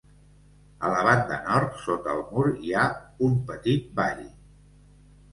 A la banda nord, sota el mur hi ha un petit vall.